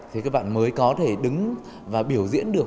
thì các bạn mới có thể đứng và biểu diễn được